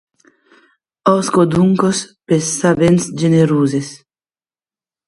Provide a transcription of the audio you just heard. Òsca, donc, pes sabents generosi!